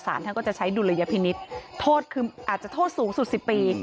ท่านก็จะใช้ดุลยพินิษฐ์โทษคืออาจจะโทษสูงสุด๑๐ปี